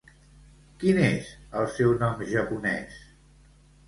Quin és el seu nom japonès?